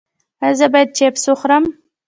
ایا زه باید چپس وخورم؟